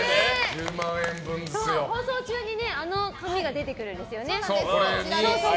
放送中にあの紙が出てくるんですよね。